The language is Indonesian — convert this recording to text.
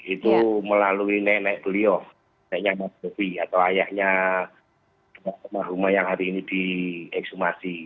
itu melalui nenek beliau neneknya mas dewi atau ayahnya almarhumah yang hari ini diekshumasi